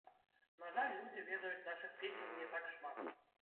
На жаль людзі ведаюць нашых песень не так шмат.